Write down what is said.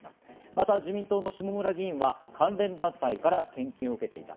また、自民党の下村議員は関連団体から献金を受けていた。